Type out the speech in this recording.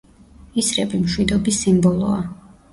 ისრები მშვიდობის სიმბოლოა.